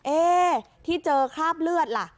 เอ๊ที่เจอคราบเลือดล่ะ